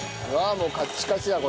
もうカッチカチだこれ。